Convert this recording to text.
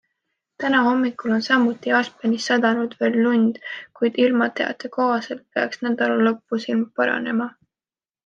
Täna hommikul on samuti Aspenis sadanud veel lund, kuid ilmateate kohaselt peaks nädala lõpus ilm paranema.